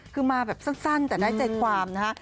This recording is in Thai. คือมาแบบสั้นแต่ได้ใจความนะฮะ